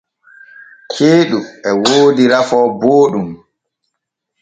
Ceeɗu e woodi rafoo booɗɗum.